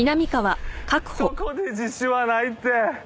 そこで自首はないって。